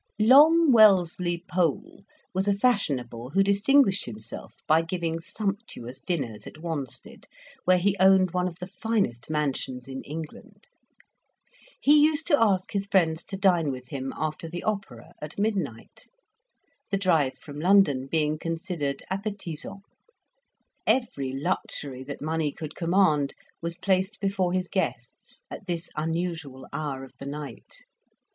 Long Wellesley Pole was a fashionable who distinguished himself by giving sumptuous dinners at Wanstead, where he owned one of the finest mansions in England. He used to ask his friends to dine with him after the opera at midnight; the drive from London being considered appetisant. Every luxury that money could command was placed before his guests at this unusual hour of the night.